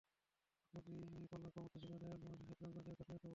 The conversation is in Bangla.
আমার প্রতিপালক ক্ষমাশীল ও দয়ালু হওয়ার সাথে সাথে যন্ত্রণাদায়ক শাস্তিদাতাও বটে।